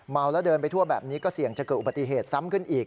แล้วเดินไปทั่วแบบนี้ก็เสี่ยงจะเกิดอุบัติเหตุซ้ำขึ้นอีก